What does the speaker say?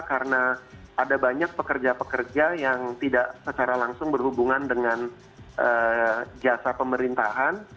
karena ada banyak pekerja pekerja yang tidak secara langsung berhubungan dengan jasa pemerintahan